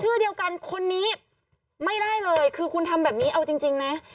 ชื่อเดียวกันคนนี้ไม่ได้เลยคือคุณทำแบบนี้เอาจริงนะ